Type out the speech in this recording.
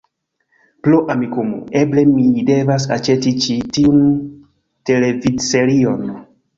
Pro Amikumu, eble mi devas aĉeti ĉi tiun televidserion